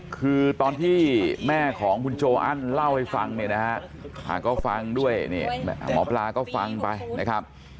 คือตอนที่แม่ของคุณโจอันเล่าให้ฟังมากอะ